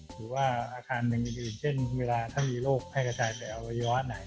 หรือว่าอาคารหนึ่งอื่นเช่นเวลาถ้ามีโรคแพร่กระจายไปอวัยวะไหน